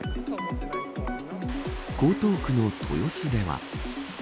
江東区の豊洲では。